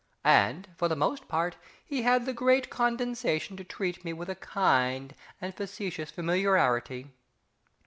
And for the most part he had the great condescension to treat me with a kind and facetious familiarity.